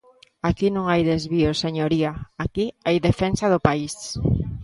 Aquí non hai desvío, señoría, aquí hai defensa do país.